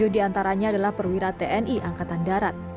tujuh di antaranya adalah perwira tni angkatan darat